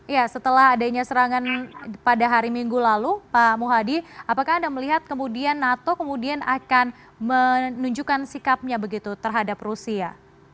ya setelah adanya serangan pada hari minggu lalu pak muhadi apakah anda melihat kemudian nato kemudian akan menunjukkan sikapnya begitu terhadap rusia